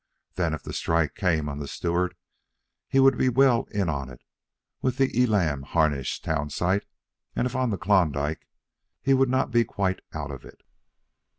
Then, if the strike came on the Stewart, he would be well in on it with the Elam Harnish town site; if on the Klondike, he would not be quite out of it.